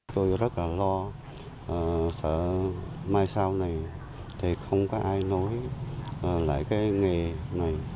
tôi rất là lo sợ mai sau này thì không có ai nối lại cái nghề này